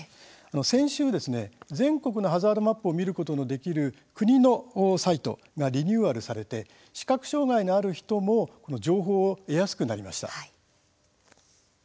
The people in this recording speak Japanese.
先週、全国のハザードマップを見ることができる国のサイトがリニューアルされて視覚障害のある人も情報を得やすくなりました。